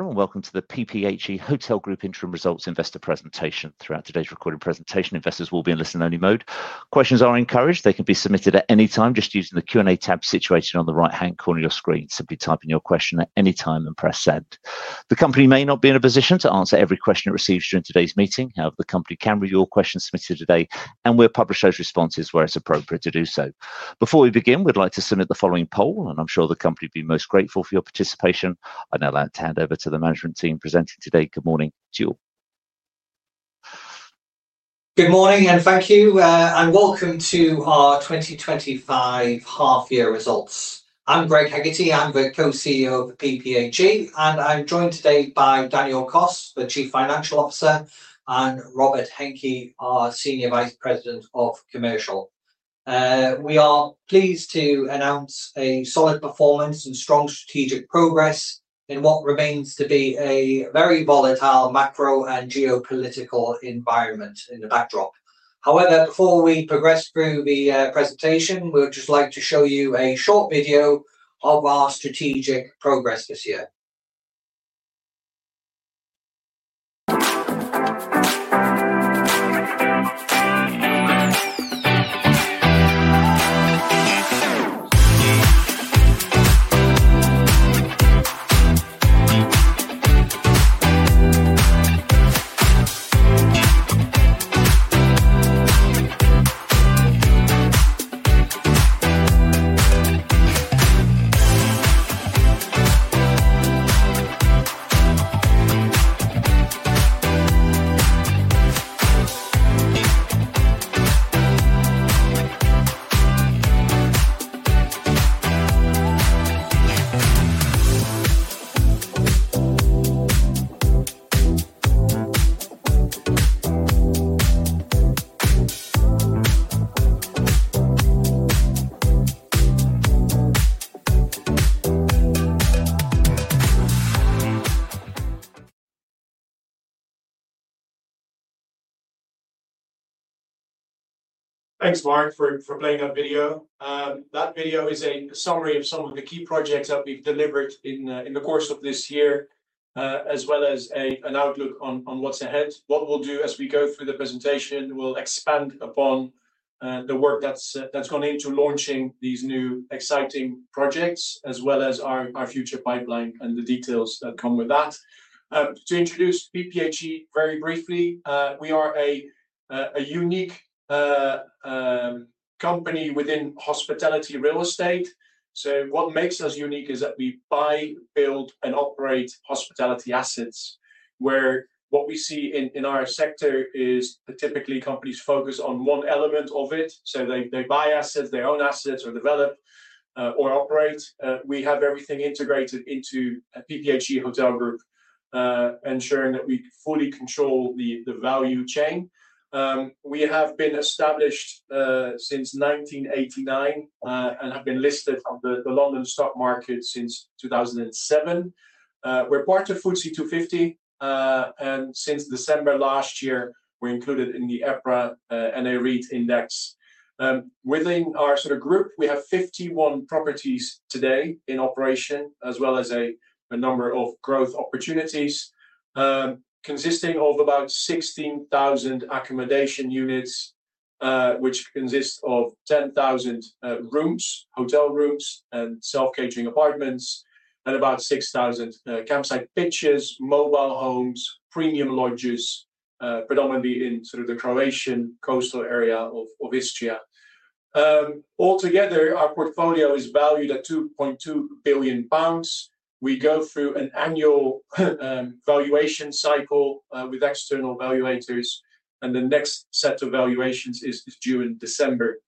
Welcome to the PPHE Hotel Group interim results investor presentation. Throughout today's recorded presentation, investors will be in listen-only mode. Questions are encouraged; they can be submitted at any time just using the Q&A tab situated on the right-hand corner of your screen. Simply type in your question at any time and press send. The company may not be in a position to answer every question it receives during today's meeting. However, the company can review all questions submitted today, and we'll publish those responses where it's appropriate to do so. Before we begin, we'd like to submit the following poll, and I'm sure the company would be most grateful for your participation. I now hand over to the management team presenting today. Good morning to you all. Good morning and thank you, and welcome to our 2025 half-year results. I'm Greg Hegarty, I'm the Co-CEO of PPHE, and I'm joined today by Daniel Kos, the Chief Financial Officer, and Robert Henke, our Senior Vice President of Commercial. We are pleased to announce a solid performance and strong strategic progress in what remains to be a very volatile macro and geopolitical environment in the backdrop. However, before we progress through the presentation, we would just like to show you a short video of our strategic progress this year. Thanks, Mark, for playing that video. That video is a summary of some of the key projects that we've delivered in the course of this year, as well as an outlook on what's ahead. What we'll do as we go through the presentation is expand upon the work that's gone into launching these new exciting projects, as well as our future pipeline and the details that come with that. To introduce PPHE very briefly, we are a unique company within hospitality real estate. What makes us unique is that we buy, build, and operate hospitality assets, where what we see in our sector is typically companies focus on one element of it. They buy assets, they own assets, or develop or operate. We have everything integrated into PPHE Hotel Group, ensuring that we fully control the value chain. We have been established since 1989 and have been listed on the London Stock Market since 2007. We're part of FTSE 250, and since December last year, we're included in the EPRA NA REIT Index. Within our group, we have 51 properties today in operation, as well as a number of growth opportunities consisting of about 16,000 accommodation units, which consist of 10,000 rooms, hotel rooms, and self-catering apartments, and about 6,000 campsite pitches, mobile homes, and premium lodges, predominantly in the Croatian coastal area of Istria. Altogether, our portfolio is valued at 2.2 billion pounds. We go through an annual valuation cycle with external valuators, and the next set of valuations is due in December.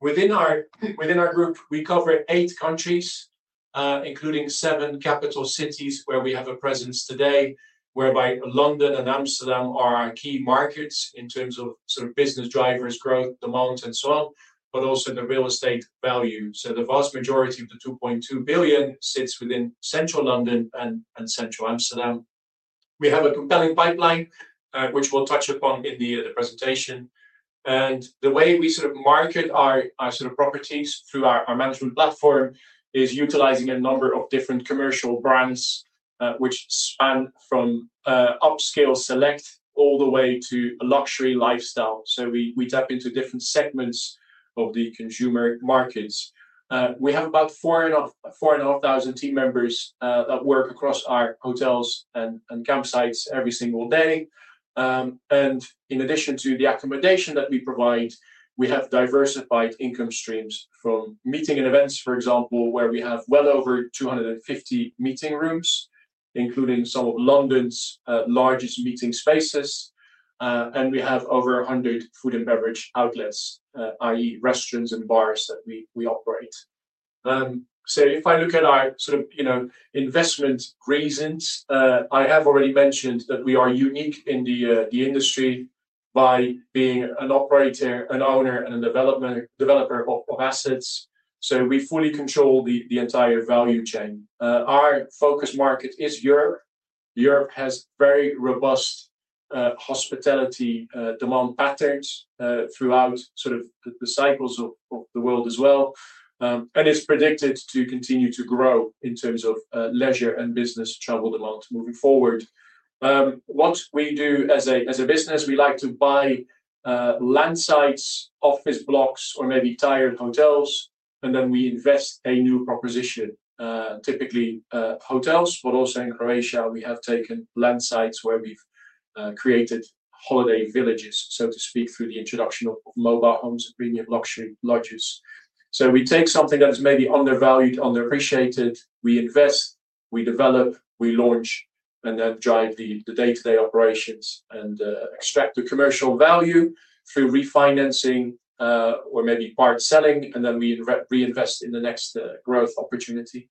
Within our group, we cover eight countries, including seven capital cities where we have a presence today, whereby London and Amsterdam are our key markets in terms of business drivers, growth, demand, and so on, but also the real estate value. The vast majority of the 2.2 billion sits within central London and central Amsterdam. We have a compelling pipeline, which we'll touch upon in the presentation. The way we sort of market our sort of properties through our management platform is utilizing a number of different commercial brands, which span from upscale select all the way to a luxury lifestyle. We tap into different segments of the consumer markets. We have about 4,500 team members that work across our hotels and campsites every single day. In addition to the accommodation that we provide, we have diversified income streams from meeting and events, for example, where we have well over 250 meeting rooms, including some of London's largest meeting spaces. We have over 100 food and beverage outlets, i.e., restaurants and bars that we operate. If I look at our sort of, you know, investment reasons, I have already mentioned that we are unique in the industry by being an operator, an owner, and a developer of assets. We fully control the entire value chain. Our focus market is Europe. Europe has very robust hospitality demand patterns throughout the cycles of the world as well. It is predicted to continue to grow in terms of leisure and business travel the long term moving forward. What we do as a business, we like to buy land sites, office blocks, or maybe tired hotels, and then we invest in a new proposition. Typically, hotels, but also in Croatia, we have taken land sites where we've created holiday villages, so to speak, through the introduction of mobile homes and premium lodges. We take something that is maybe undervalued, underappreciated, we invest, we develop, we launch, and then drive the day-to-day operations and extract the commercial value through refinancing or maybe part selling, and then we reinvest in the next growth opportunity.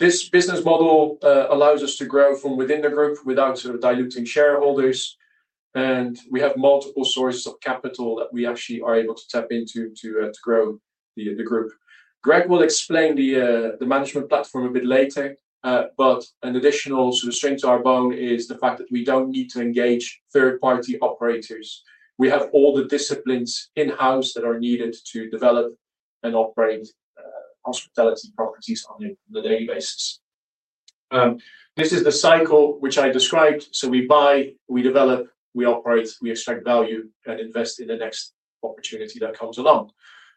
This business model allows us to grow from within the group without sort of diluting shareholders, and we have multiple sources of capital that we actually are able to tap into to grow the group. Greg will explain the management platform a bit later, but an additional sort of strength to our bond is the fact that we don't need to engage third-party operators. We have all the disciplines in-house that are needed to develop and operate hospitality properties on a daily basis. This is the cycle which I described. We buy, we develop, we operate, we extract value, and invest in the next opportunity that comes along.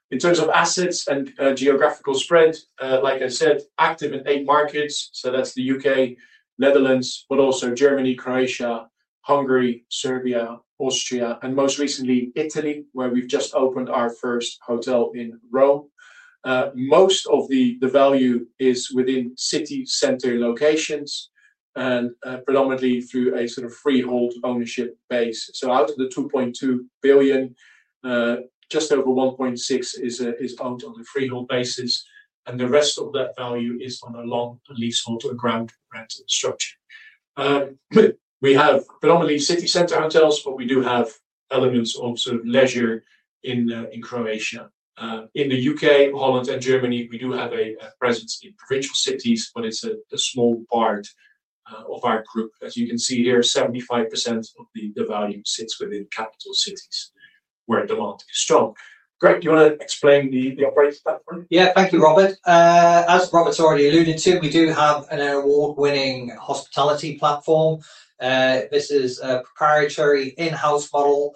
In terms of assets and geographical strength, like I said, active in eight markets, so that's the UK, Netherlands, but also Germany, Croatia, Hungary, Serbia, Austria, and most recently Italy, where we've just opened our first hotel in Rome. Most of the value is within city center locations and predominantly through a sort of freehold ownership base. Out of the 2.2 billion, just over 1.6 billion is owned on a freehold basis, and the rest of that value is on a long, at least, auto-aggranded structure. We have predominantly city center hotels, but we do have elements of sort of leisure in Croatia. In the UK, Netherlands, and Germany, we do have a presence in regional cities, but it's a small part of our group. As you can see here, 75% of the value sits within capital cities where demand is strong. Greg, do you want to explain the operations platform? Yeah, thank you, Robert. As Robert's already alluded to, we do have an award-winning hospitality platform. This is a proprietary in-house model,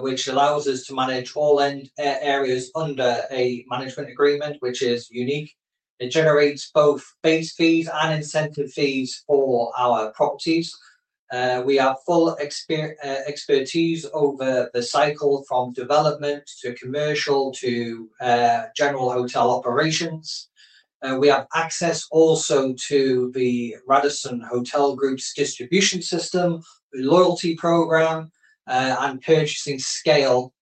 which allows us to manage all areas under a management agreement, which is unique. It generates both base fees and incentive fees for our properties. We have full expertise over the cycle from development to commercial to general hotel operations. We have access also to the Radisson Hotel Group's distribution system, loyalty program, and purchasing scale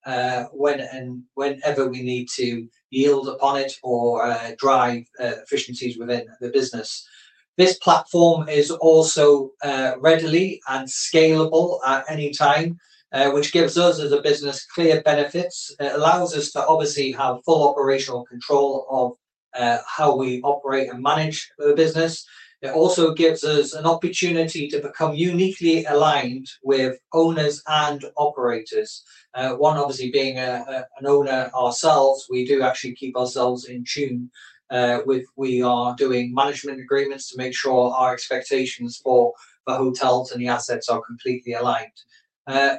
whenever we need to yield on it or drive efficiencies within the business. This platform is also readily and scalable at any time, which gives us as a business clear benefits. It allows us to obviously have full operational control of how we operate and manage the business. It also gives us an opportunity to become uniquely aligned with owners and operators. One, obviously, being an owner ourselves, we do actually keep ourselves in tune with we are doing management agreements to make sure our expectations for the hotels and the assets are completely aligned.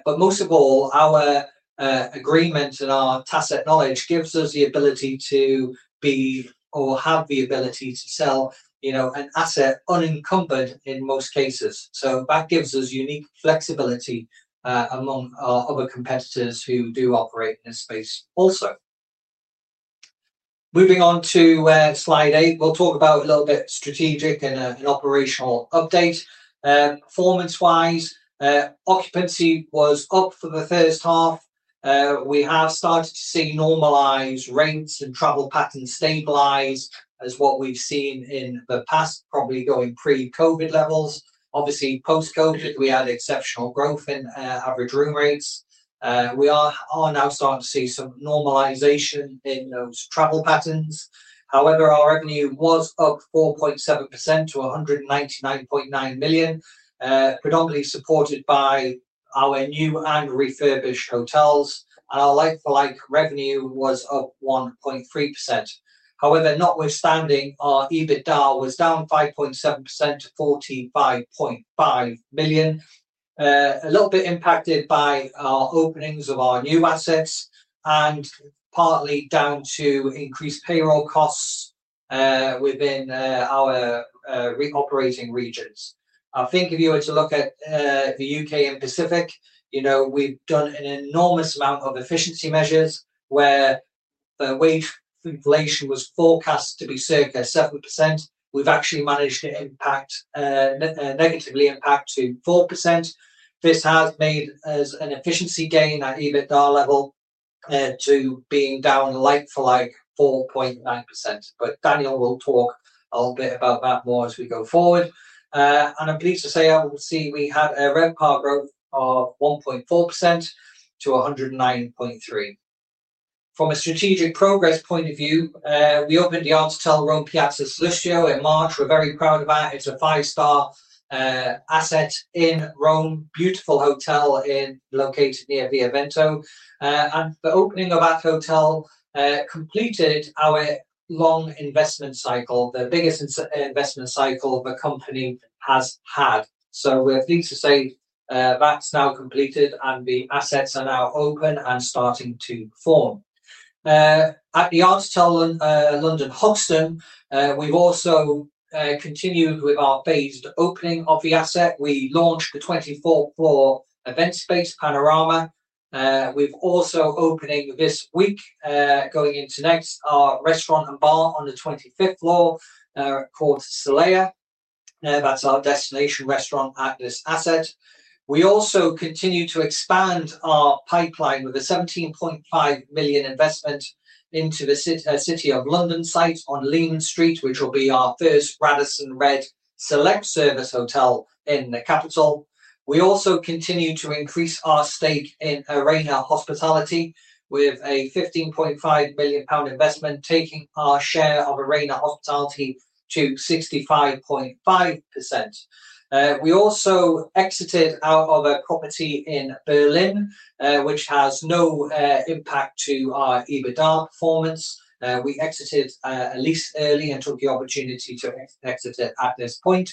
Most of all, our agreements and our tacit knowledge give us the ability to be or have the ability to sell, you know, an asset unencumbered in most cases. That gives us unique flexibility among our other competitors who do operate in this space also. Moving on to slide eight, we'll talk about a little bit of strategic and operational updates. Performance-wise, occupancy was up for the first half. We have started to see normalized rates and travel patterns stabilize as what we've seen in the past, probably going pre-COVID levels. Obviously, post-COVID, we had exceptional growth in average room rates. We are now starting to see some normalization in those travel patterns. However, our revenue was up 4.7% to 199.9 million, predominantly supported by our new and refurbished hotels. Our like-for-like revenue was up 1.3%. However, notwithstanding, our EBITDA was down 5.7% to 45.5 million, a little bit impacted by our openings of our new assets and partly down to increased payroll costs within our operating regions. I think if you were to look at the U.K. and Pacific, you know, we've done an enormous amount of efficiency measures where the wave of inflation was forecast to be circa 7%. We've actually managed to impact, negatively impact, to 4%. This has made us an efficiency gain at EBITDA level to being down like-for-like 4.9%. Daniel will talk a little bit about that more as we go forward. I'm pleased to say, obviously, we had a RevPAR growth of 1.4% to 109.3. From a strategic progress point of view, we opened the art’otel Rome Piazza Sallustio in March. We're very proud of that. It's a five-star asset in Rome, beautiful hotel located near Via Veneto. The opening of that hotel completed our long investment cycle, the biggest investment cycle the company has had. We're pleased to say that's now completed and the assets are now open and starting to perform. At the art’otel London Hoxton, we've also continued with our phased opening of the asset. We launched the 24th floor event space, Panorama. We're also opening this week, going into next, our restaurant and bar on the 25th floor called Solaya. That's our destination restaurant at this asset. We also continue to expand our pipeline with a 17.5 million investment into the City of London site on Lehman Street, which will be our first Radisson RED Select Service Hotel in the capital. We also continue to increase our stake in Arena Hospitality with a 15.5 million pound investment, taking our share of Arena Hospitality to 65.5%. We also exited out of a property in Berlin, which has no impact to our EBITDA performance. We exited at lease early and took the opportunity to exit it at this point.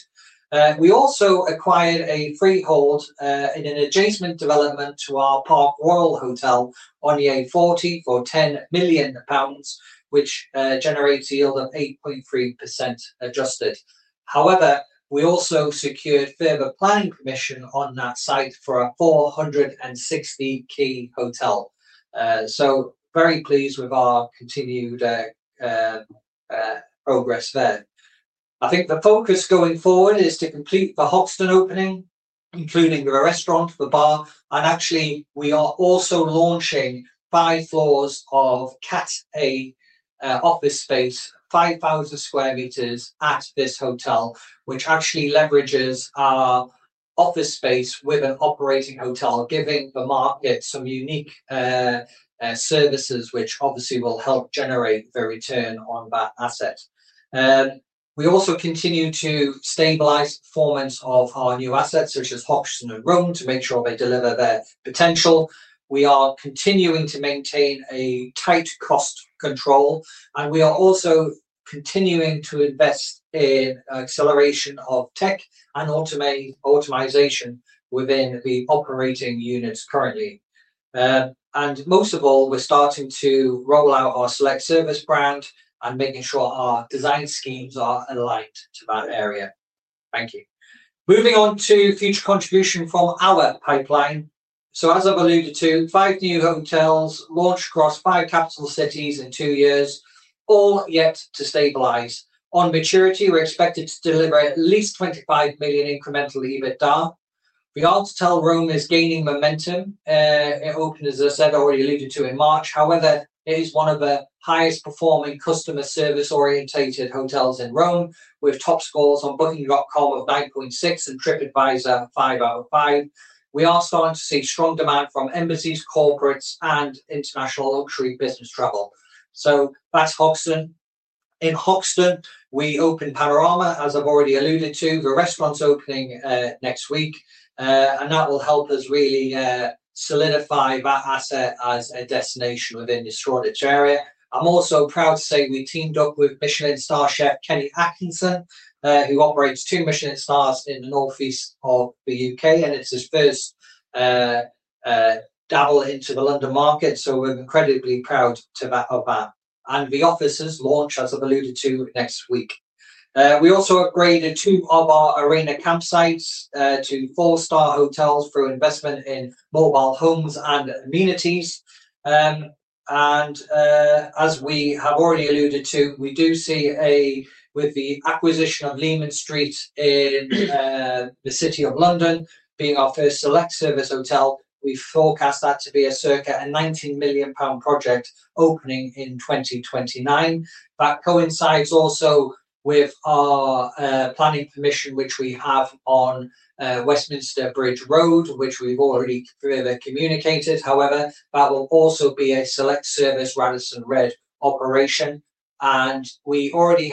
We also acquired a freehold in an adjacent development to our Park Royal Hotel on the A40 for 10 million pounds, which generates a yield of 8.3% adjusted. However, we also secured further planning permission on that site for a 460-key hotel. Very pleased with our continued progress there. I think the focus going forward is to complete the hotel opening, including the restaurant, the bar, and actually, we are also launching five floors of CAT A office space, 5,000 square meters at this hotel, which actually leverages our office space with an operating hotel, giving the market some unique services, which obviously will help generate a return on that asset. We also continue to stabilize the performance of our new assets, such as Hoxton and Rome, to make sure they deliver their potential. We are continuing to maintain a tight cost control, and we are also continuing to invest in acceleration of tech and automation within the operating units currently. Most of all, we're starting to roll out our Select Service brand and making sure our design schemes are aligned to that area. Thank you. Moving on to future contribution from our pipeline. As I've alluded to, five new hotels launched across five capital cities in two years, all yet to stabilize. On maturity, we're expected to deliver at least 25 million incremental EBITDA. The art'otel Rome is gaining momentum. It opened, as I said, already alluded to in March. However, it is one of the highest performing customer service-orientated hotels in Rome, with top scores on Booking.com of 9.6 and TripAdvisor 5.5. We are starting to see strong demand from embassies, corporates, and international luxury business travel. That's Hoxton. In Hoxton, we opened Panorama, as I've already alluded to. The restaurant's opening next week, and that will help us really solidify that asset as a destination within the Shoreditch area. I'm also proud to say we teamed up with Michelin Star chef Kenny Atkinson, who operates two Michelin Stars in the northeast of the U.K., and it's his first dabble into the London market. We're incredibly proud of that. The offices launch, as I've alluded to, next week. We also upgraded two of our Arena Campsites to four-star hotels through investment in mobile homes and amenities. As we have already alluded to, we do see, with the acquisition of Lehman Street in the City of London, being our first Select Service Hotel, we forecast that to be a circa 19 million pound project opening in 2029. That coincides also with our planning permission, which we have on Westminster Bridge Road, which we've already further communicated. That will also be a Select Service Radisson RED operation. We already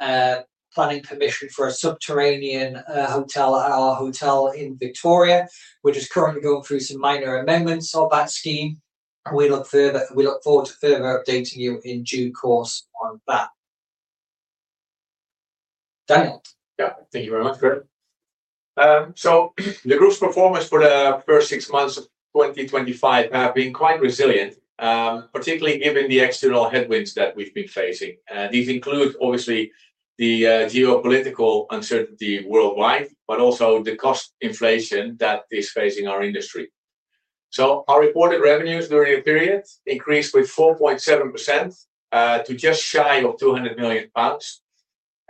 have planning permission for a subterranean hotel at our hotel in Victoria, which is currently going through some minor amendments of that scheme. We look forward to further updating you in due course on that. Daniel? Yeah, thank you very much, Greg. The group's performance for the first six months of 2025 has been quite resilient, particularly given the external headwinds that we've been facing. These include obviously the geopolitical uncertainty worldwide, but also the cost inflation that is facing our industry. Our reported revenues during the period increased by 4.7% to just shy of 200 million pounds.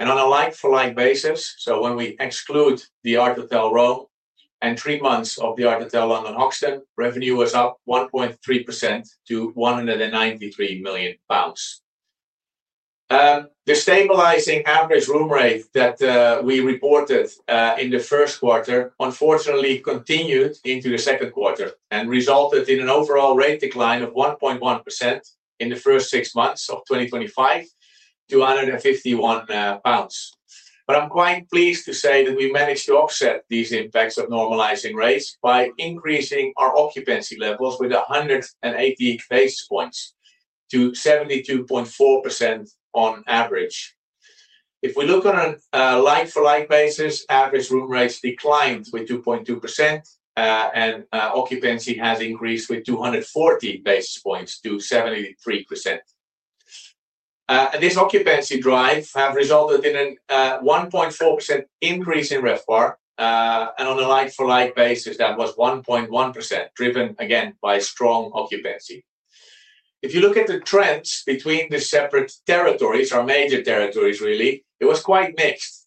On a like-for-like basis, when we exclude the art’otel Rome and three months of the art’otel London Hoxton, revenue was up 1.3% to 193 million pounds. The stabilizing average room rate that we reported in the first quarter unfortunately continued into the second quarter and resulted in an overall rate decline of 1.1% in the first six months of 2025 to 151 pounds. I'm quite pleased to say that we managed to offset these impacts of normalizing rates by increasing our occupancy levels by 180 basis points to 72.4% on average. If we look on a like-for-like basis, average room rates declined by 2.2% and occupancy has increased by 214 basis points to 73%. This occupancy drive has resulted in a 1.4% increase in RevPAR, and on a like-for-like basis, that was 1.1% driven again by strong occupancy. If you look at the trends between the separate territories, our major territories really, it was quite mixed.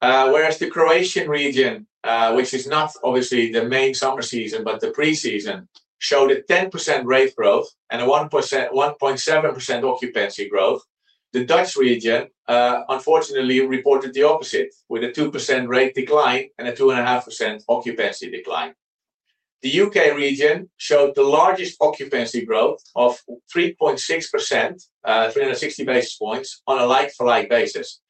Whereas the Croatian region, which is not obviously the main summer season but the pre-season, showed a 10% rate growth and a 1.7% occupancy growth, the Dutch region unfortunately reported the opposite with a 2% rate decline and a 2.5% occupancy decline. The U.K. region showed the largest occupancy growth of 3.6%, 360 basis points on a like-for-like basis.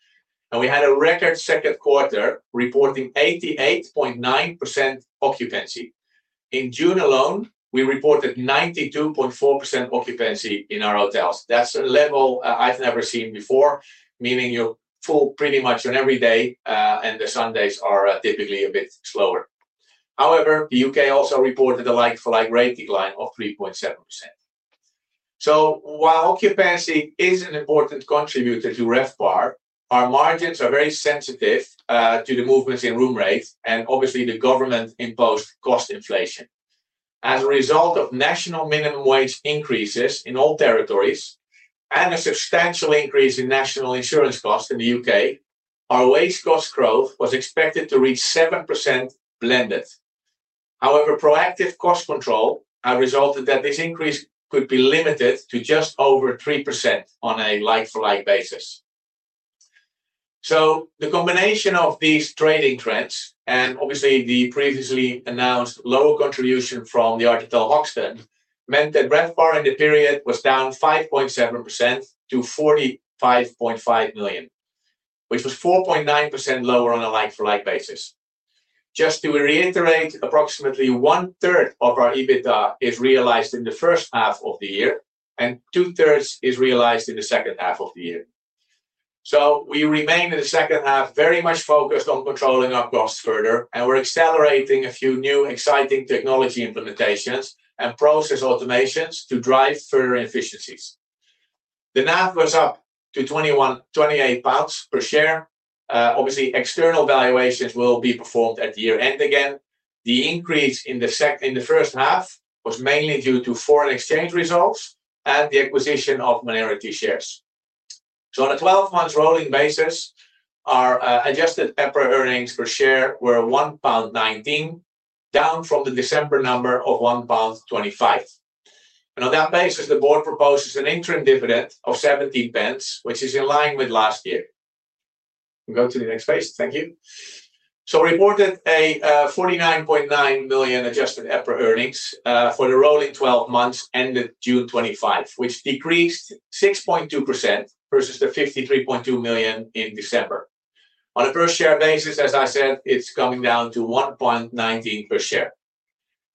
We had a record second quarter reporting 88.9% occupancy. In June alone, we reported 92.4% occupancy in our hotels. That's a level I've never seen before, meaning you're full pretty much on every day, and the Sundays are typically a bit slower. However, the U.K. also reported a like-for-like rate decline of 3.7%. While occupancy is an important contributor to RevPAR, our margins are very sensitive to the movements in room rates and obviously the government-imposed cost inflation. As a result of national minimum wage increases in all territories and a substantial increase in national insurance costs in the U.K., our wage cost growth was expected to reach 7% blended. However, proactive cost control has resulted in this increase being limited to just over 3% on a like-for-like basis. The combination of these trading threats and obviously the previously announced lower contribution from the art'otel Hostel meant that RevPAR in the period was down 5.7% to 45.5 million, which was 4.9% lower on a like-for-like basis. Just to reiterate, approximately one-third of our EBITDA is realized in the first half of the year and two-thirds is realized in the second half of the year. We remain in the second half very much focused on controlling our costs further and we're accelerating a few new exciting technology implementations and process automations to drive further efficiencies. The NAV was up to 21.28 pounds per share. Obviously, external valuations will be performed at the year-end again. The increase in the first half was mainly due to foreign exchange results and the acquisition of minority shares. On a 12-month rolling basis, our adjusted EPRA earnings per share were 1.19 pound, down from the December number of 1.25 pound. On that basis, the board proposes an interim dividend of 0.17, which is in line with last year. Go to the next page. Thank you. We reported a 49.9 billion adjusted EPRA earnings for the rolling 12 months ended June 2025, which decreased 6.2% versus the 53.2 million in December. On a per share basis, as I said, it's coming down to 1.19 per share.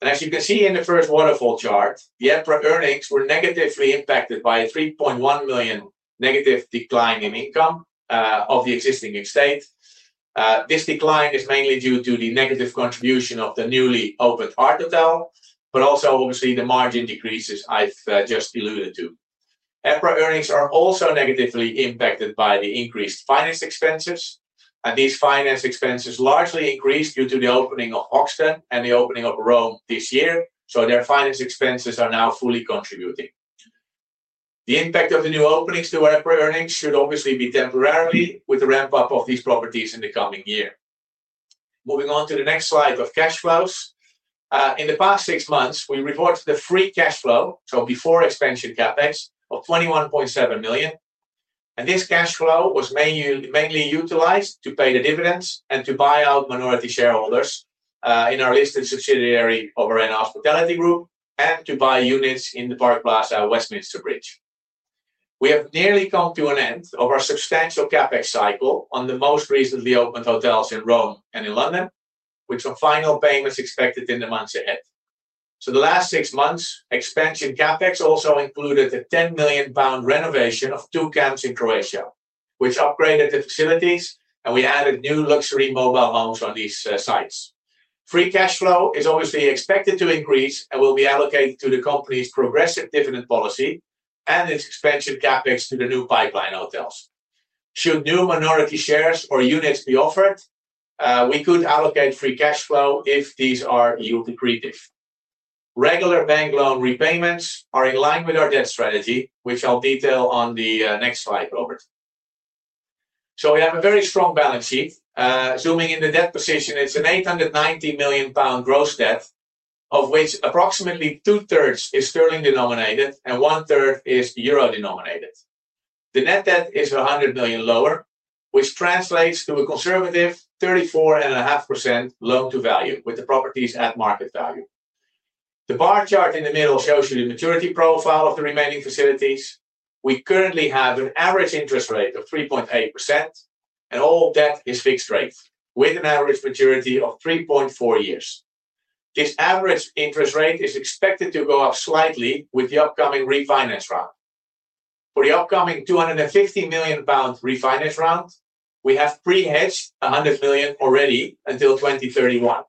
As you can see in the first waterfall chart, the EPRA earnings were negatively impacted by a 3.1 million negative decline in income of the existing estate. This decline is mainly due to the negative contribution of the newly opened art'otel, but also obviously the margin decreases I've just alluded to. EPRA earnings are also negatively impacted by the increased finance expenses. These finance expenses largely increased due to the opening of Hostel and the opening of Rome this year. Their finance expenses are now fully contributing. The impact of the new openings to EPRA earnings should obviously be temporary, with the ramp-up of these properties in the coming year. Moving on to the next slide of cash flows. In the past six months, we reported a free cash flow, so before expansion CapEx, of 21.7 million. This cash flow was mainly utilized to pay the dividends and to buy out minority shareholders in our listed subsidiary of Arena Hospitality Group and to buy units in the Park Plaza at Westminster Bridge. We have nearly come to an end of our substantial CapEx cycle on the most recently opened hotels in Rome and in London, with some final payments expected in the months ahead. The last six months' expansion CapEx also included a 10 million pound renovation of two camps in Croatia, which upgraded the facilities, and we added new luxury mobile homes on these sites. Free cash flow is obviously expected to increase and will be allocated to the company's progressive dividend policy and its expansion CapEx to the new pipeline hotels. Should new minority shares or units be offered, we could allocate free cash flow if these are yield-decreased. Regular bank loan repayments are in line with our debt strategy, which I'll detail on the next slide, Robert. We have a very strong balance sheet. Zooming in on the debt position, it's an 890 million pound gross debt, of which approximately two-thirds is sterling denominated and one-third is euro denominated. The net debt is 100 million lower, which translates to a conservative 34.5% loan-to-value with the properties at market value. The bar chart in the middle shows you the maturity profile of the remaining facilities. We currently have an average interest rate of 3.8% and all of that is fixed rates, with an average maturity of 3.4 years. This average interest rate is expected to go up slightly with the upcoming refinance round. For the upcoming 250 million pound refinance round, we have pre-hedged 100 million already until 2031.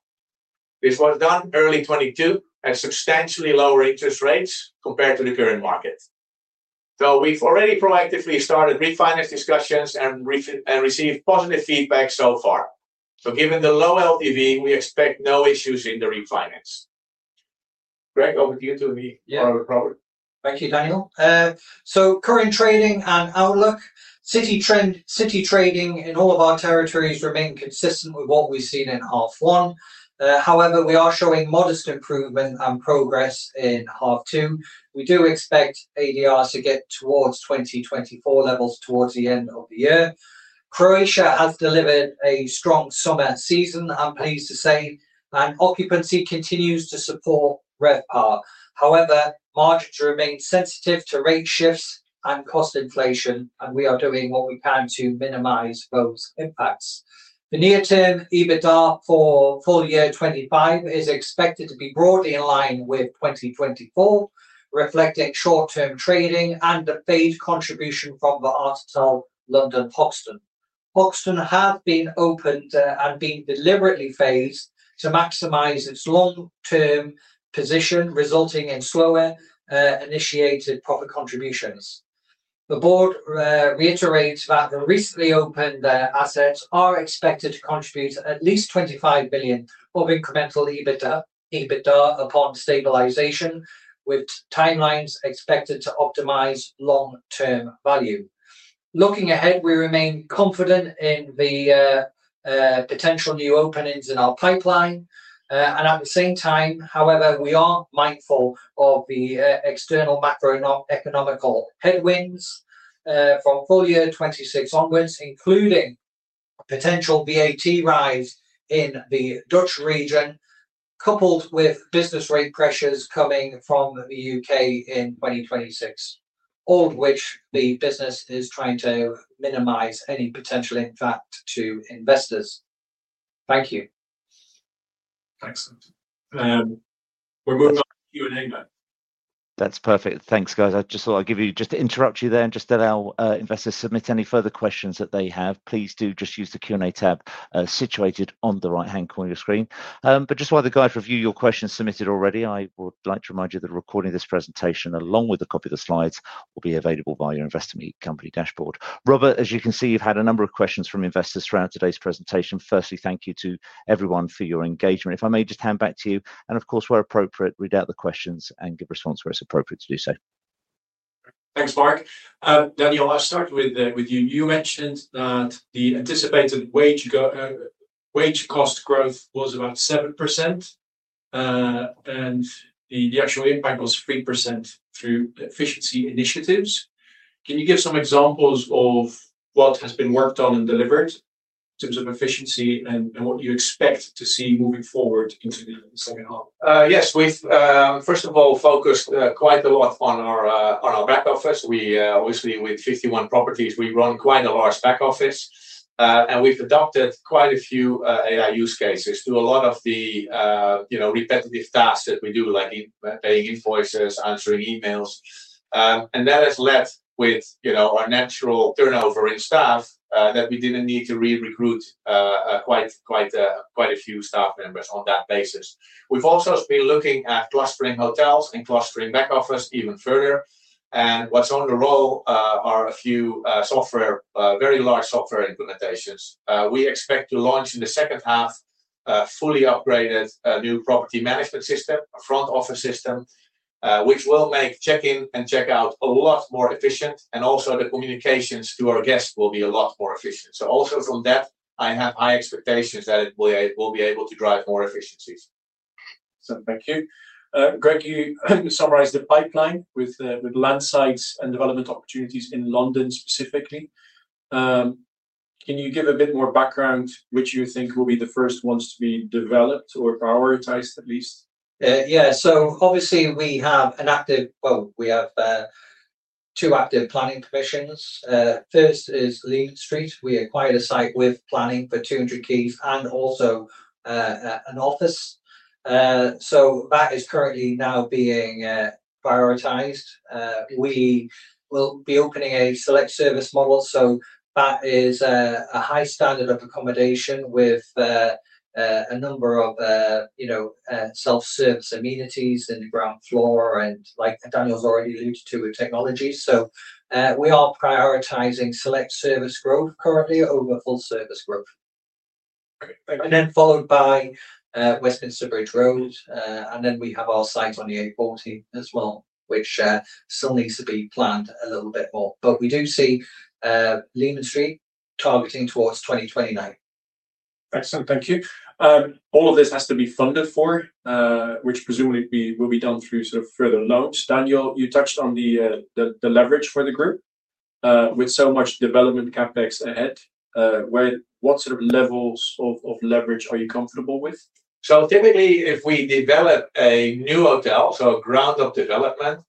This was done early 2022 at substantially lower interest rates compared to the current market. We've already proactively started refinance discussions and received positive feedback so far. Given the low LTV, we expect no issues in the refinance. Greg, over to you to be part of the problem. Thank you, Daniel. Current trading and outlook, city trading in all of our territories remain consistent with what we've seen in half one. However, we are showing modest improvement and progress in half two. We do expect ADRs to get towards 2024 levels towards the end of the year. Croatia has delivered a strong summer season, I'm pleased to say, and occupancy continues to support RevPAR. However, margins remain sensitive to rate shifts and cost inflation, and we are doing what we can to minimize those impacts. The near-term EBITDA for 2025 is expected to be broadly in line with 2024, reflecting short-term trading and the phased contribution from the art'otel London Hoxton. Hoxton has been opened and been deliberately phased to maximize its long-term position, resulting in slower initiated profit contributions. The board reiterates that the recently opened assets are expected to contribute at least 25 million of incremental EBITDA upon stabilization, with timelines expected to optimize long-term value. Looking ahead, we remain confident in the potential new openings in our pipeline. At the same time, however, we are mindful of the external macroeconomic headwinds from full year 2026 onwards, including potential VAT rise in the Netherlands, coupled with business rate pressures coming from the U.K. in 2026, all of which the business is trying to minimize any potential impact to investors. Thank you. Thanks. We're moving on to Q&A now. That's perfect. Thanks, guys. I just thought I'd give you, just to interrupt you there, and just allow investors to submit any further questions that they have. Please do just use the Q&A tab situated on the right-hand corner of your screen. While the guys review your questions submitted already, I would like to remind you that the recording of this presentation, along with a copy of the slides, will be available via your investment company dashboard. Robert, as you can see, you've had a number of questions from investors throughout today's presentation. Firstly, thank you to everyone for your engagement. If I may just hand back to you, and of course, where appropriate, read out the questions and give response where it's appropriate to do so. Thanks, Mark. Daniel, I've started with you. You mentioned that the anticipated wage cost growth was about 7% and the actual impact was 3% through efficiency initiatives. Can you give some examples of what has been worked on and delivered in terms of efficiency and what you expect to see moving forward into the second half? Yes, we've, first of all, focused quite a lot on our back office. We obviously, with 51 properties, run quite a large back office. We've adopted quite a few AI use cases to a lot of the, you know, repetitive tasks that we do, like paying invoices, answering emails. That has led with, you know, our natural turnover in staff that we didn't need to re-recruit quite a few staff members on that basis. We've also been looking at clustering hotels and clustering back office even further. What's on the roll are a few software, very large software implementations. We expect to launch in the second half a fully upgraded new property management system, a front office system, which will make check-in and check-out a lot more efficient. Also, the communications to our guests will be a lot more efficient. From that, I have high expectations that we'll be able to drive more efficiencies. Thank you. Greg, you summarized the pipeline with land sites and development opportunities in London specifically. Can you give a bit more background which you think will be the first ones to be developed or prioritized at least? Yeah. Obviously, we have an active, well, we have two active planning permissions. First is Lehman Street. We acquired a site with planning for 200,000 and also an office. That is currently now being prioritized. We will be opening a select service model. That is a high standard of accommodation with a number of self-service amenities in the ground floor and like Daniel's already alluded to with technology. We are prioritizing select service growth currently over full service growth, followed by Westminster Bridge Road. We have our site on the A40 as well, which still needs to be planned a little bit more. We do see Lehman Street targeting towards 2029. Excellent. Thank you. All of this has to be funded for, which presumably will be done through sort of further loans. Daniel, you touched on the leverage for the group with so much development CapEx ahead. What sort of levels of leverage are you comfortable with? Typically, if we develop a new hotel, a round of development,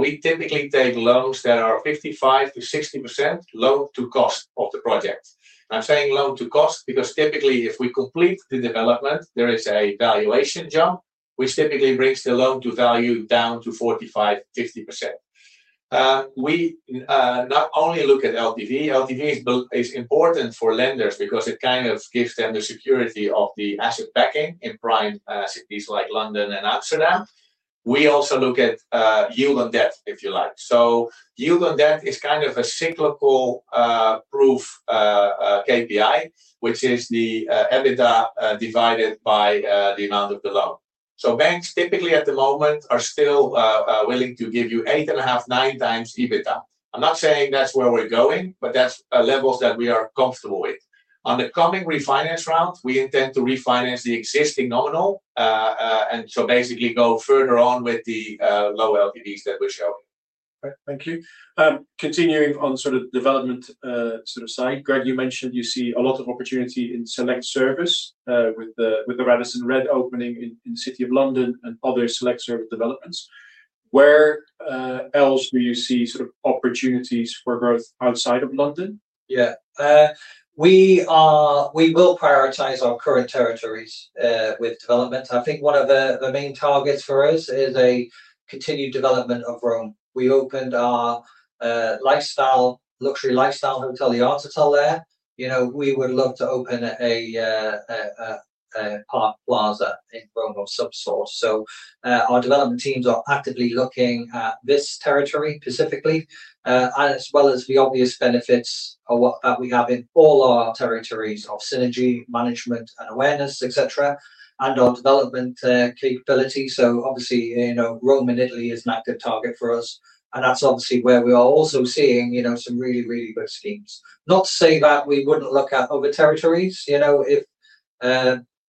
we typically take loans that are 55%-60% loan-to-cost of the project. I'm saying loan-to-cost because typically if we complete the development, there is a valuation jump, which typically brings the loan-to-value down to 45%-50%. We not only look at LTV. LTV is important for lenders because it kind of gives them the security of the asset backing in prime cities like London and Amsterdam. We also look at yield on debt, if you like. Yield on debt is kind of a cyclical proof KPI, which is the EBITDA divided by the amount of the loan. Banks typically at the moment are still willing to give you 8.5x-9x EBITDA. I'm not saying that's where we're going, but that's levels that we are comfortable with. On the coming refinance round, we intend to refinance the existing nominal and basically go further on with the low LTVs that we're showing. Thank you. Continuing on development side, Greg, you mentioned you see a lot of opportunity in select service with the Radisson RED opening in the City of London and other select service developments. Where else do you see opportunities for growth outside of London? Yeah, we will prioritize our current territories with development. I think one of the main targets for us is a continued development of Rome. We opened our luxury lifestyle hotel, the art’otel, there. You know, we would love to open a Park Plaza in Rome of some sort. Our development teams are actively looking at this territory specifically, as well as the obvious benefits that we have in all our territories of synergy management and awareness, et cetera, and our development capability. Obviously, you know, Rome and Italy is an active target for us. That's obviously where we are also seeing, you know, some really, really good schemes. Not to say that we wouldn't look at other territories, you know,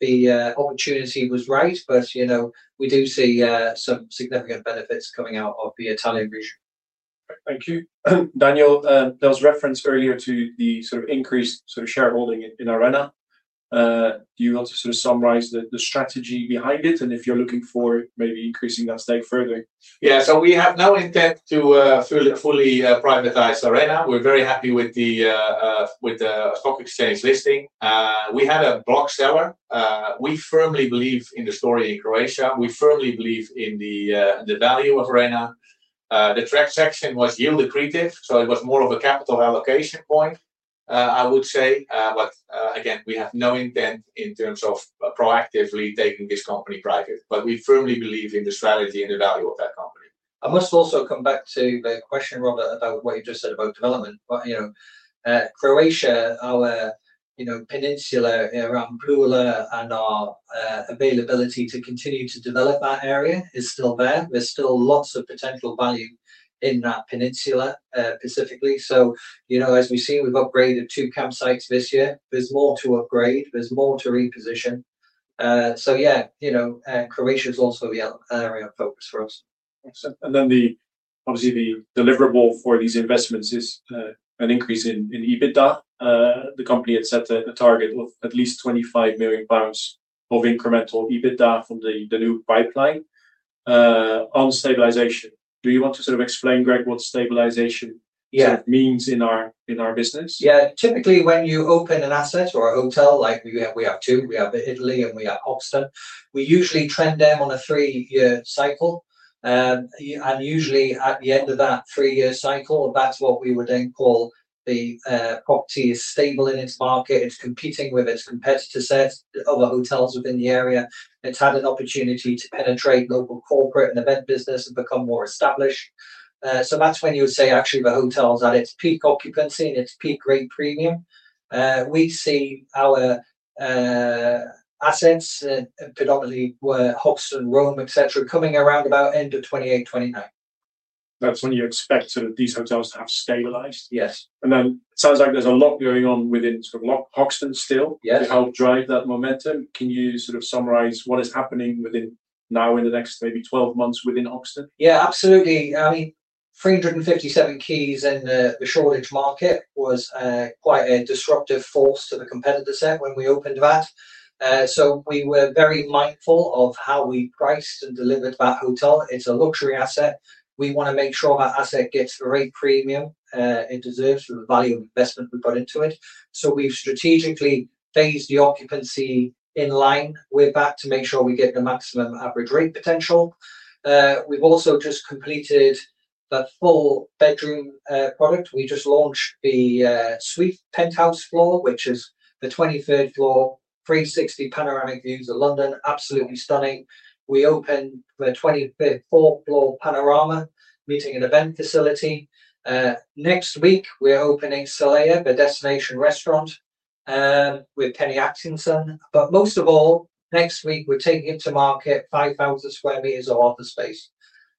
if the opportunity was right, but you know, we do see some significant benefits coming out of the Italian region. Thank you. Daniel, there was reference earlier to the sort of increased shareholding in Arena. Do you want to summarize the strategy behind it and if you're looking for maybe increasing that stake further? Yeah, we have no intent to fully privatize Arena. We're very happy with the public sales listing. We have a block seller. We firmly believe in the story in Croatia. We firmly believe in the value of Arena. The track section was yield-decreased, so it was more of a capital allocation point, I would say. Again, we have no intent in terms of proactively taking this company private. We firmly believe in the strategy and the value of that company. I must also come back to the question, Robert, about what you just said about development. Croatia, our peninsula around Pula and our availability to continue to develop that area is still there. There's still lots of potential value in that peninsula specifically. As we've seen, we've upgraded two campsites this year. There's more to upgrade. There's more to reposition. Croatia is also the area of focus for us. Excellent. Obviously, the deliverable for these investments is an increase in EBITDA. The company had set a target of at least 25 million pounds of incremental EBITDA from the new pipeline. On stabilization, do you want to sort of explain, Greg, what stabilization means in our business? Yeah, typically when you open an asset or a hotel, like we have two, we have Italy and we have Hostel, we usually trend them on a three-year cycle. Usually at the end of that three-year cycle, that's what we would then call the property is stable in its market. It's competing with its competitor sets of hotels within the area. It's had an opportunity to penetrate local corporate and event business and become more established. That's when you say actually the hotel is at its peak occupancy and its peak rate premium. We see our assets predominantly where Hostel, Rome, et cetera, coming around about end of 2028, 2029. That's when you expect sort of these hotels to have stabilized? Yes. It sounds like there's a lot going on within PPHE Hotel Group still. Yes. To help drive that momentum, can you sort of summarize what is happening within now in the next maybe 12 months within Hotel? Yeah, absolutely. I mean, 357,000 in the shortage market was quite a disruptive force to the competitor set when we opened that. We were very mindful of how we priced and delivered that hotel. It's a luxury asset. We want to make sure that asset gets the rate premium it deserves for the value investment we've got into it. We’ve strategically phased the occupancy in line with that to make sure we get the maximum average rate potential. We’ve also just completed the full bedroom product. We just launched the suite penthouse floor, which is the 23rd floor, 360° panoramic views of London, absolutely stunning. We opened the 24th floor panorama meeting and event facility. Next week, we're opening Solaya, the destination restaurant, with Kenny Atkinson. Most of all, next week, we're taking it to market, 5,000 square meters of office space.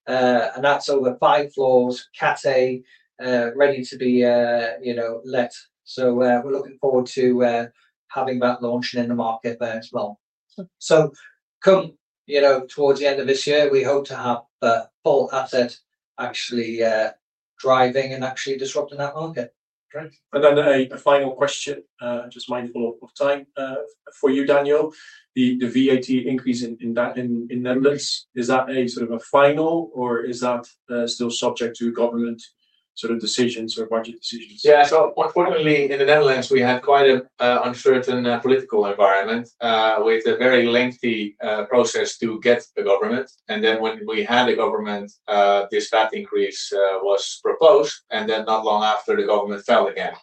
That's over five floors, cafe, ready to be, you know, let. We’re looking forward to having that launch in the market there as well. Come towards the end of this year, we hope to have the whole asset actually driving and actually disrupting that market. A final question, just mindful of time for you, Daniel. The VAT increase in the Netherlands, is that a sort of a final or is that still subject to government decisions or budget decisions? Yeah, so what I mean, in the Netherlands, we had quite an uncertain political environment with a very lengthy process to get the government. When we had a government, this VAT increase was proposed, and then not long after, the government fell again.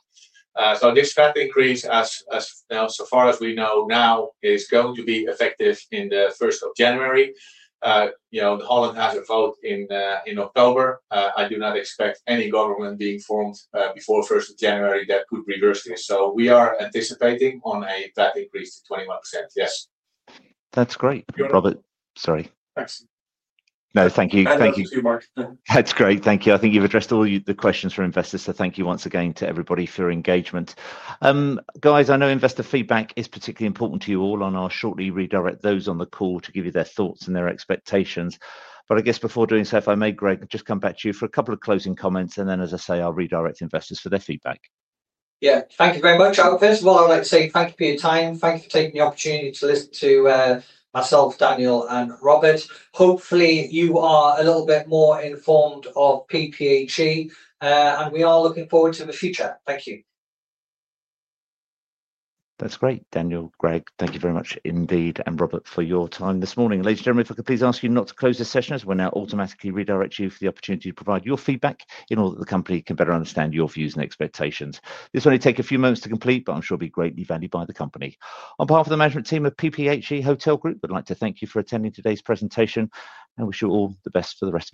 This VAT increase, as now so far as we know now, is going to be effective on the 1st of January. You know, Holland has a vote in October. I do not expect any government being formed before 1st of January that would reverse this. We are anticipating on a VAT increase of 21%, yes. That's great, Robert. Thank you. That's great. Thank you. I think you've addressed all the questions for investors. Thank you once again to everybody for your engagement. I know investor feedback is particularly important to you all, and I'll shortly redirect those on the call to give you their thoughts and their expectations. Before doing so, if I may, Greg, just come back to you for a couple of closing comments, and then I'll redirect investors for their feedback. Thank you very much. First of all, I'd like to say thank you for your time. Thank you for taking the opportunity to listen to myself, Daniel, and Robert. Hopefully, you are a little bit more informed of PPHE, and we are looking forward to the future. Thank you. That's great, Daniel, Greg. Thank you very much indeed, and Robert, for your time this morning. Ladies and gentlemen, if I could please ask you not to close this session as we're now automatically redirecting you for the opportunity to provide your feedback in order that the company can better understand your views and expectations. This will only take a few moments to complete, but I'm sure it'll be greatly valued by the company. On behalf of the management team of PPHE Hotel Group, we'd like to thank you for attending today's presentation and wish you all the best for the rest.